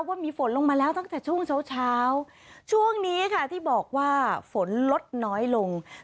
ว่ามีฝนลงมาแล้วตั้งแต่ช่วงเช้าเช้าช่วงนี้ค่ะที่บอกว่าฝนลดน้อยลง